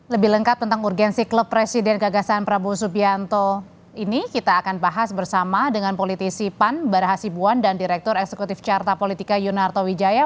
lebih lengkap tentang urgensi klub presiden gagasan prabowo subianto ini kita akan bahas bersama dengan politisi pan barah hasibuan dan direktur eksekutif carta politika yunarto wijaya